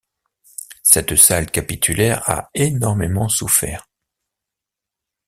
Cette salle capitulaire a énormément souffert.